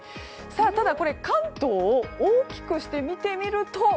ただ、これ、関東を大きくして見てみると。